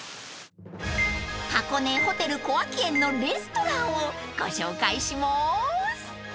［箱根ホテル小涌園のレストランをご紹介しまーす］